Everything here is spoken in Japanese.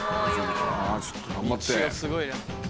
あぁちょっと頑張って。